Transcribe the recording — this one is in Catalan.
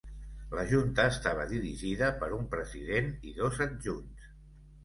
La junta estava dirigida per un president i dos adjunts.